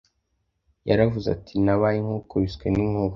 yaravuze ati “nabaye nk’ukubiswe n’inkuba!